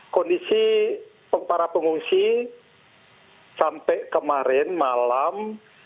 kondisi para pengungsi sampai kemarin malam